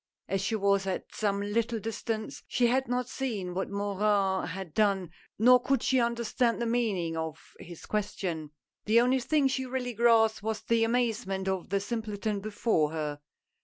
As she was at some little distance she had not seen what Morin had done, nor could she understand the meaning of his question. The only thing she really grasped was the amazement of the simpleton before her.